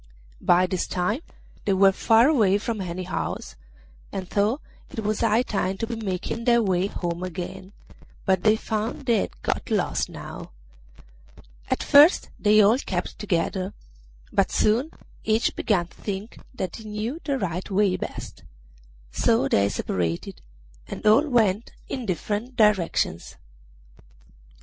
By this time they were far away from any house, and thought it was high time to be making their way home again, but they found they had got lost now. At first they all kept together, but soon each began to think that he knew the right way best; so they separated, and all went in different directions.